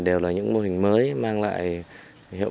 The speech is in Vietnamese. đều là những mô hình mới mang lại hiệu